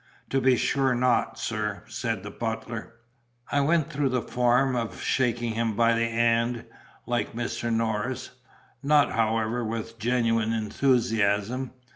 "To be sure not, sir," said the butler. I went through the form of "shaking him by the 'and" like Mr. Norris not, however, with genuine enthusiasm.